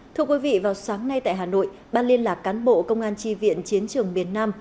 thưa quý vị vào sáng nay tại hà nội ban liên lạc cán bộ công an tri viện chiến trường miền nam